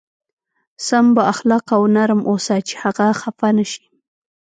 سم با اخلاقه او نرم اوسه چې هغه خفه نه شي.